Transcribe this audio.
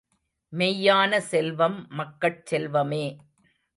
மெய்யான செல்வம் மக்கட் செல்வமே.